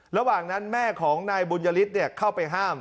ระหว่างนั้นแม่ของนายบุญยฤทธิ์เข้าไปห้าม